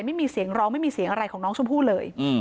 ไม่มีเสียงร้องไม่มีเสียงอะไรของน้องชมพู่เลย